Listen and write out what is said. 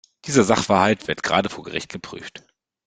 Dieser Sachverhalt wird gerade vor Gericht geprüft.